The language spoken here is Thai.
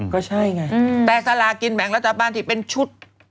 ก็ใช่ไงแต่สลากินแบ่งรัฐบาลที่เป็นชุด